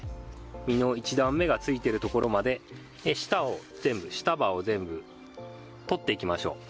実の１段目がついてる所まで下を全部下葉を全部取っていきましょう。